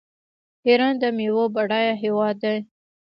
ایران د میوو بډایه هیواد دی.